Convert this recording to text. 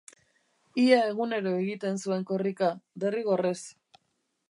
Ia egunero egiten zuen korrika, derrigorrez.